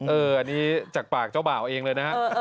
เอออันนี้จากปากเจ้าเป่าเองเลยนะ